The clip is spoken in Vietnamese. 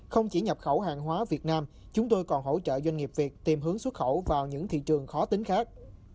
không chỉ nhập khẩu hàng hóa việt nam chúng tôi còn hỗ trợ doanh nghiệp việt tìm hướng xuất khẩu vào những thị trường khó tính khác